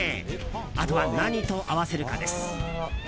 あとは何と合わせるかです。